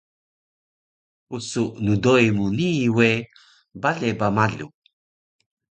Pusu dnoi mu nii we bale ba malu